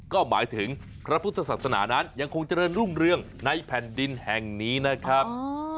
ก็หมายถึงพระพุทธศาสนานั้นยังคงเจริญรุ่งเรืองในแผ่นดินแห่งนี้นะครับ